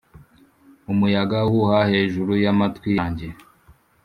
umuyaga uhuha hejuru y'amatwi yanjye.